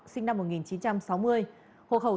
sinh năm một nghìn chín trăm sáu mươi